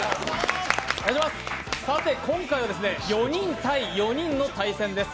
今回は４人対４人の対戦です。